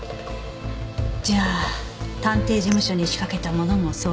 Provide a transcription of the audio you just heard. じゃあ探偵事務所に仕掛けたものもそうやって。